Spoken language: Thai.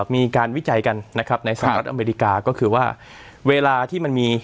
วิจัยกันนะครับในสหรัฐอเมริกาก็คือว่าเวลาที่มันมี